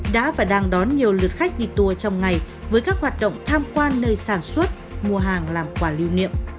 đã và đang đón nhiều lượt khách đi tour trong ngày với các hoạt động tham quan nơi sản xuất mua hàng làm quả lưu niệm